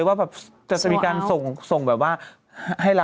วันที่สิบเอ็ดน้ะ